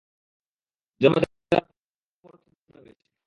জন্ম দেওয়ার পর তোমারও তো নিজের ছেলেই মনে হয়েছে।